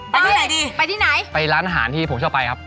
ที่ไหนดีไปที่ไหนไปร้านอาหารที่ผมชอบไปครับ